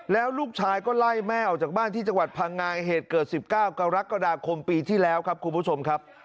แล้วลูกชายก็ไล่แม่ออกจากบ้านที่จังหวัดพังงาเหตุเกิด๑๙กรกฎาคมปีที่แล้วครับคุณผู้ชมครับ